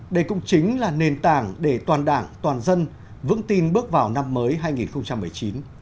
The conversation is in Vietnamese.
đây cũng chính là nền tảng để toàn đảng toàn dân vững tin bước vào năm mới hai nghìn một mươi chín